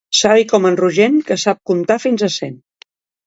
Savi com en Rogent, que sap comptar fins a cent.